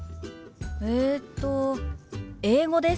えっと英語です。